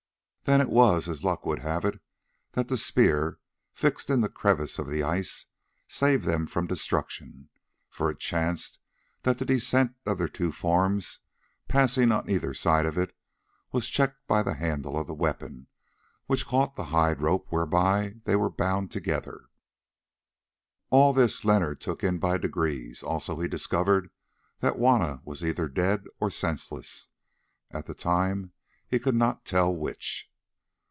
Then it was, as luck would have it, that the spear, fixed in the crevice of the ice, saved them from destruction; for it chanced that the descent of their two forms, passing on either side of it, was checked by the handle of the weapon, which caught the hide rope whereby they were bound together. All of this Leonard took in by degrees; also he discovered that Juanna was either dead or senseless, at the time he could not tell which.